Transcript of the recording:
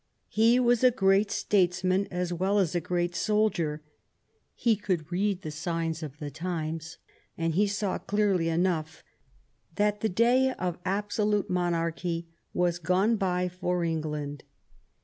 He was a great statesman as well as a great soldier, he could read the signs of the times, and he saw clearly enough that the day of abso lute monarchy was gone by for England.